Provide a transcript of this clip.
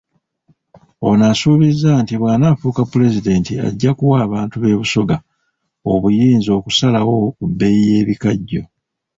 Ono asuubizza nti bw'anaafuuka Pulezidenti ajja kuwa abantu b'e Busoga obuyinza okusalawo ku bbeeyi y'ebikajjo.